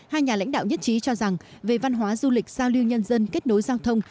hai nhà lãnh đạo nhất trí cho rằng về văn hóa du lịch giao lưu nhân dân kết nối giao thông